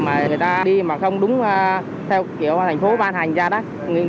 mà người ta đi mà không đúng theo kiểu thành phố ban hành ra đó